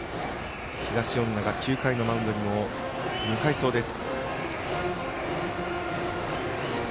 東恩納が９回のマウンドにも向かいそうです。